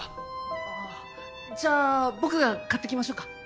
ああじゃあ僕が買ってきましょうか？